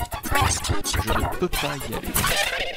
Je ne peux pas y aller.